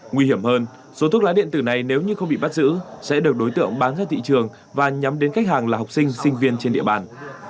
nguy hiểm hơn số thuốc lá điện tử này nếu như không bị bắt giữ sẽ được đối tượng bán ra thị trường và nhắm đến khách hàng là học sinh sinh viên trên địa bàn